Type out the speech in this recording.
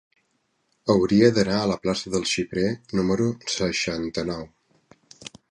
Hauria d'anar a la plaça del Xiprer número seixanta-nou.